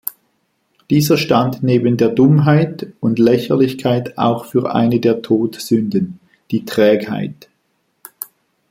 Dieser stand neben der Dummheit und Lächerlichkeit auch für eine der Todsünden, die Trägheit.